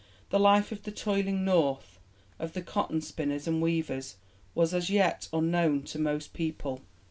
The life of the toiling North, of the cotton spinners and weavers was as yet unknown to most people.